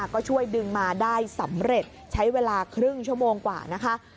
ก็ช่วยดึงมาได้สำเร็จใช้เวลาครึ่งชั่วโมงกว่านะคะ